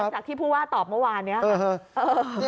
จากที่ผู้ว่าตอบเมื่อวานนี้ค่ะ